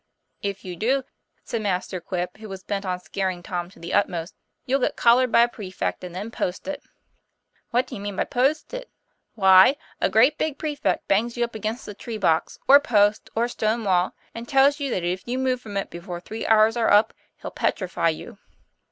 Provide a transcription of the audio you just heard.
'If you do," said Master Quip, who was bent on scaring Tom to the utmost, "you'll get collared by a prefect and then posted." 'What do you mean by 'posted' ?"' Why, a great big prefect bangs you up against a tree box, or a post, or a stonewall; and tells you that if you move from it before three hours are up he'll petrify you."